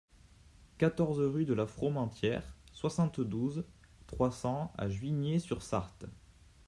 quatorze rue de la Fromentière, soixante-douze, trois cents à Juigné-sur-Sarthe